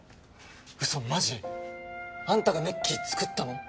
嘘マジ？あんたがネッキー作ったの？